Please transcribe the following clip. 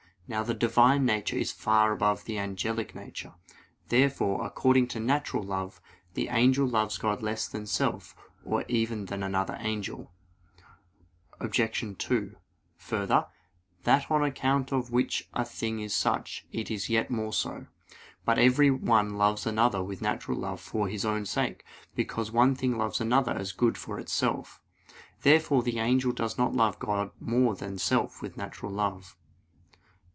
Now the Divine nature is far above the angelic nature. Therefore, according to natural love, the angel loves God less than self, or even than another angel. Obj. 2: Further, "That on account of which a thing is such, is yet more so." But every one loves another with natural love for his own sake: because one thing loves another as good for itself. Therefore the angel does not love God more than self with natural love.